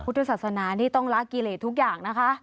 ศาสนานี่ต้องละกิเลสทุกอย่างนะคะ